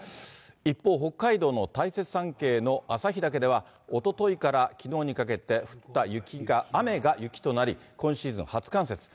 一方、北海道の大雪山系の旭岳では、おとといからきのうにかけて降った雪が、雨が雪となり、今シーズン初冠雪。